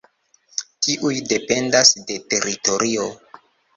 Tiuj dependas de teritorio.